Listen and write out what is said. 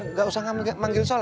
nggak usah kamu manggil soleh